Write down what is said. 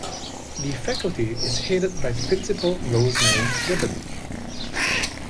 The faculty is headed by Principal Rosemary Libbon.